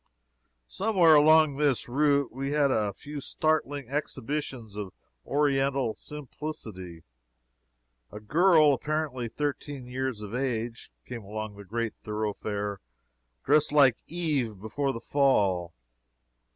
Somewhere along this route we had a few startling exhibitions of Oriental simplicity. A girl apparently thirteen years of age came along the great thoroughfare dressed like Eve before the fall.